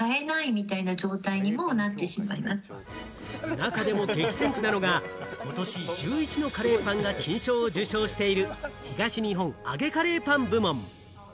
中でも激戦区なのが、ことし１１のカレーパンが金賞を受賞している東日本揚げカレーパン部門。